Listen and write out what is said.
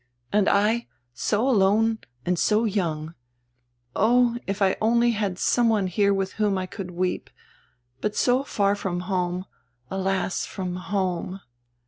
And I so alone and so young. Oh, if I only had some one here widi whom I could weep. But so far from home — alas, from home."